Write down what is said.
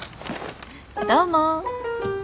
どうも。